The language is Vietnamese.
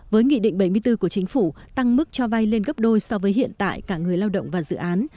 với nghị định bảy mươi bốn của chính phủ tăng mức cho vay lên gấp đôi so với hiện tại cả người lao động và dự án